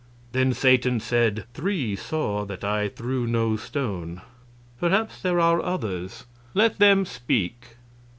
Then Satan said: "Three saw that I threw no stone. Perhaps there are others; let them speak."